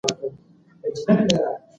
معلومات څنګه په سمه توګه تحلیل کړو؟